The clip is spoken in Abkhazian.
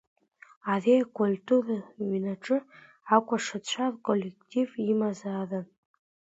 Ари акультура ҩнаҿы акәашацәа рколлектив имазаарын.